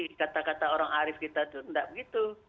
tapi kata kata orang arif kita itu tidak begitu